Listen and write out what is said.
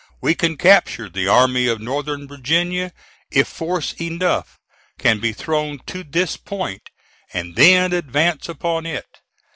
We can capture the Army of Northern Virginia if force enough can be thrown to this point, and then advance upon it.